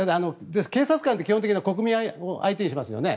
警察官って基本的に国民を相手にしますよね。